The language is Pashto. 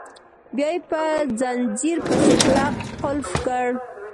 بیا یې په ځنځیر پسې کلک قلف کړه.